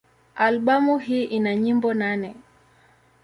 Albamu hii ina nyimbo nane.